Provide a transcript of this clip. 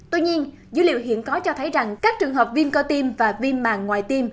tuy nhiên dữ liệu hiện có cho thấy rằng các trường hợp viêm cơ tim và viêm màng ngoài tim